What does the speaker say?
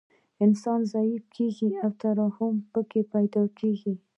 انسان ضعیف کیږي او ترحم پکې پیدا کیږي